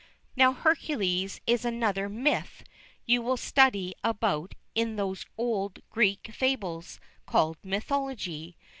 Now "Hercules" is another "myth" you will study about in those old Greek fables called "mythology."